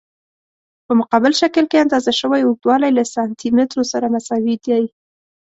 په مقابل شکل کې اندازه شوی اوږدوالی له سانتي مترو سره مساوي دی.